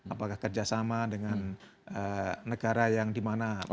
apakah kerjasama dengan negara yang di mana berada